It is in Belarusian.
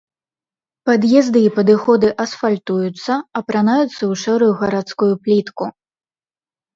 Пад'езды і падыходы асфальтуюцца, апранаюцца ў шэрую гарадскую плітку.